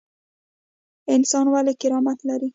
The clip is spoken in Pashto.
انسان ولې کرامت لري؟